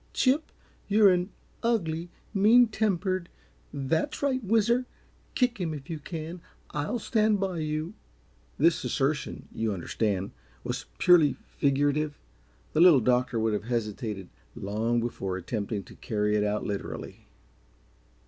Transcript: "Chip, you're an ugly, mean tempered that's right, Whizzer! Kick him if you can I'll stand by you!" This assertion, you understand, was purely figurative; the Little Doctor would have hesitated long before attempting to carry it out literally.